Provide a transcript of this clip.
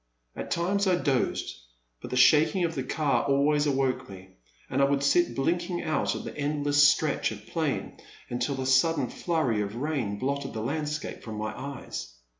At times I dozed, but the shaking of the car always awoke me, and I would sit blinking out at the endless stretch of plain, until a sudden flurry of rain blotted the landscape from my eyes.